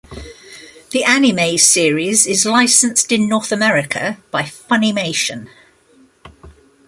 The anime series is licensed in North America by Funimation.